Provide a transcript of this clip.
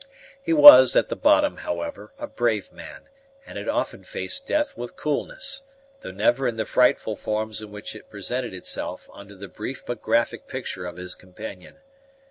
He was at the bottom, however, a brave man, and had often faced death with coolness, though never in the frightful forms in which it presented itself under the brief but graphic picture of his companion.